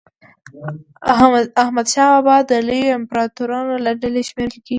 حمدشاه بابا د لویو امپراطورانو له ډلي شمېرل کېږي.